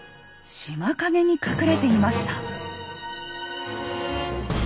島陰に隠れていました。